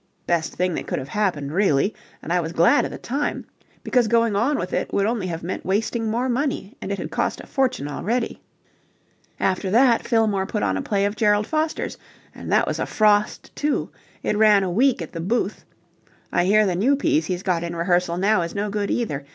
Best thing that could have happened, really, and I was glad at the time, because going on with it would only have meant wasting more money, and it had cost a fortune already. After that Fillmore put on a play of Gerald Foster's and that was a frost, too. It ran a week at the Booth. I hear the new piece he's got in rehearsal now is no good either.